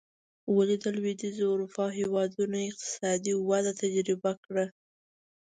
ولې د لوېدیځې اروپا هېوادونو اقتصادي وده تجربه کړه.